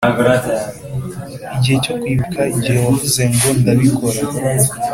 igihe cyo kwibuka igihe wavuze ngo "ndabikora."